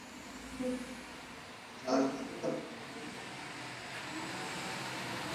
মৃত্যুর ঠিক আগের দিন রাতে আমাকে বলে যান, সহজ-সরলভাবে মানুষের সঙ্গে মিশবে।